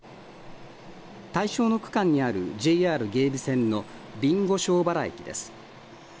対象の区間にあるＪＲ芸備線の備後庄原駅です。